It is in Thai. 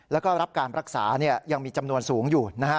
แล้วก็รับการรักษายังมีจำนวนสูงอยู่นะฮะ